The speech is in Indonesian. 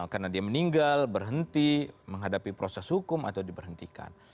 karena dia meninggal berhenti menghadapi proses hukum atau diberhentikan